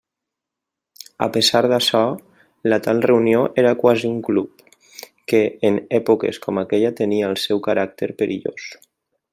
A pesar d'açò, la tal reunió era quasi un club, que en èpoques com aquella tenia el seu caràcter perillós.